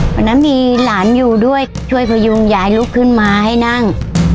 วันนั้นมีหลานอยู่ด้วยช่วยพยุงยายลุกขึ้นมาให้นั่ง